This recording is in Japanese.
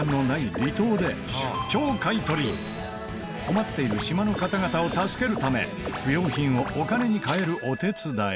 困っている島の方々を助けるため不要品をお金に換えるお手伝い。